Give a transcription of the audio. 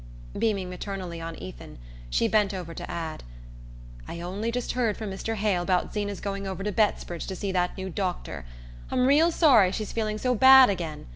Beaming maternally on Ethan, she bent over to add: "I on'y just heard from Mr. Hale 'bout Zeena's going over to Bettsbridge to see that new doctor. I'm real sorry she's feeling so bad again!